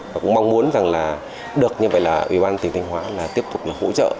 và cũng mong muốn rằng là được như vậy là ủy ban tỉnh thanh hóa là tiếp tục là hỗ trợ